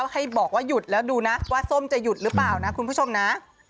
ให้บอกว่าหยุดแล้วดูนะว่าส้มจะหยุดหรือเปล่านะคุณผู้ชมนะ